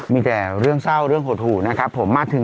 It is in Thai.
มีแค่เรื่องเศร้าเรื่องหดหู่มาถึงเรื่อง